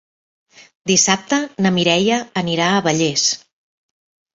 Dissabte na Mireia anirà a Vallés.